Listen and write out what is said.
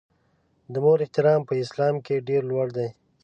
د مور احترام په اسلام کې ډېر لوړ دی.